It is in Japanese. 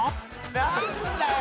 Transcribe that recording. なんだよ！